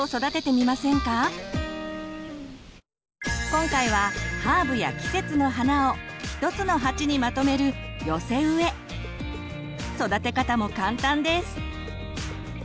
今回はハーブや季節の花を一つの鉢にまとめる育て方も簡単です。